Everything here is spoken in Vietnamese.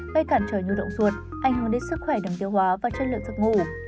gây cản trở nhu động ruột ảnh hưởng đến sức khỏe đường tiêu hóa và chất lượng giấc ngủ